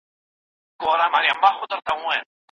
خپلو بچوړو ته په زرو سترګو زرو ژبو